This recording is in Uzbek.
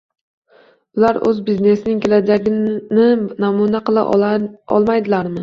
Ular o'z biznesining kelajagini namuna qila olmaydilarmi?